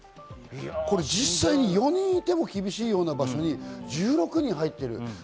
実際に４人いても厳しいような場所に１６人、入っている。